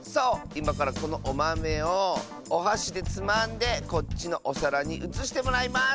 いまからこのおまめをおはしでつまんでこっちのおさらにうつしてもらいます！